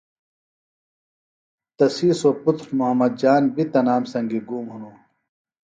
تسی سوۡ پُتر محمد جان بیۡ تنام سنگی گُوم ہِنوۡ